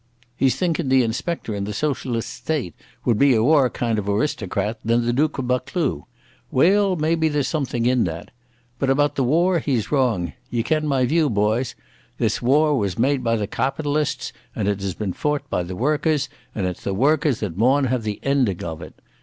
"He's thinkin' the inspector in the Socialist State would be a waur kind of awristocrat then the Duke of Buccleuch. Weel, there's maybe something in that. But about the war he's wrong. Ye ken my views, boys. This war was made by the cawpitalists, and it has been fought by the workers, and it's the workers that maun have the ending of it.